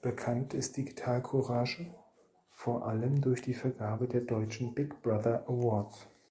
Bekannt ist Digitalcourage vor allem durch die Vergabe der deutschen „Big Brother Awards“.